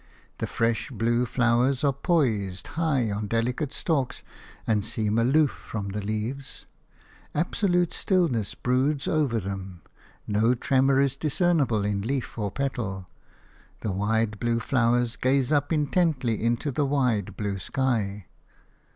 The fresh blue flowers are poised high on delicate stalks, and seem aloof from the leaves. Absolute stillness broods over them; no tremor is discernible in leaf or petal; the wide blue flowers gaze up intently into the wide blue sky.